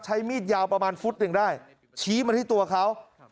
ใช้มีดยาวประมาณฟุตหนึ่งได้ชี้มาที่ตัวเขา